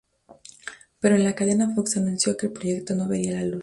Pero en la cadena Fox anunció que el proyecto no vería la luz.